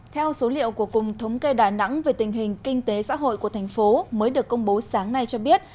theo số liệu của cùng thống kê đà nẵng về tình hình kinh tế xã hội của thành phố mới được công bố sáng nay cho biết